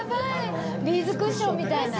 ビーズクッションみたいな。